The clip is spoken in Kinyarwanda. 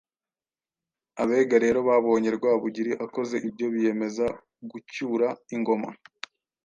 Abega rero babonye Rwabugili akoze ibyo biyemeza gucyura ingoma